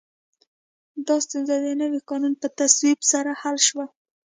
دا ستونزه د نوي قانون په تصویب سره حل شوه.